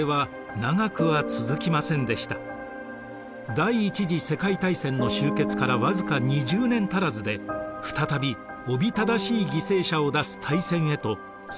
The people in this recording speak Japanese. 第一次世界大戦の終結から僅か２０年足らずで再びおびただしい犠牲者を出す大戦へと世界は突き進んでいきます。